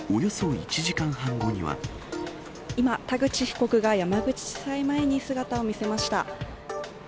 今、田口被告が山口地裁前に姿を見せました。